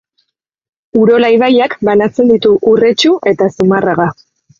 Urola ibaiak banatzen ditu Urretxu eta Zumarraga.